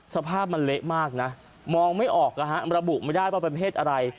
สภาพมันเละมากนะมองไม่ออกนะฮะระบุไม่ได้ว่าเป็นเพศอะไร